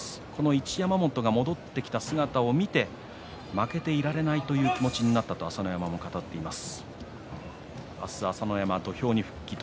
一山本が戻ってきた姿を見て負けていられないという気持ちになったと朝乃山も語っています。